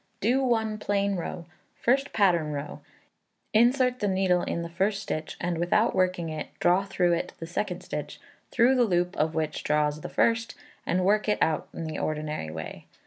Do one plain row. First pattern row. Insert the needle in the first stitch, and, without working it, draw through it the second stitch, through the loop of which draw the first, and work it in the ordinary way.